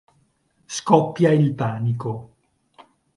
Scoppia il panico.